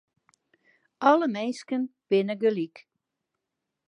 Alle minsken binne gelyk.